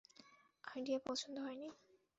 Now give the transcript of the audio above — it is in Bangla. আইডিয়া পছন্দ হয়নি?